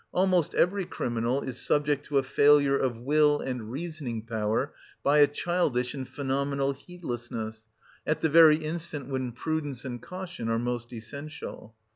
Almost every criminal is subject to a failure of will and reasoning power by a childish and phenomenal heedlessness, at the very instant when prudence and caution are most essential.